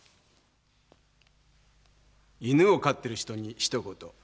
犬を飼っている人にひと言。